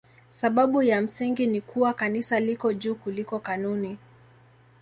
Sababu ya msingi ni kuwa Kanisa liko juu kuliko kanuni.